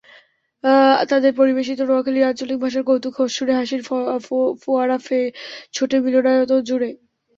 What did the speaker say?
তাঁদের পরিবেশিত নোয়াখালীর আঞ্চলিক ভাষার কৌতুক শুনে হাসির ফোয়ারা ছোটে মিলনায়তনজুড়ে।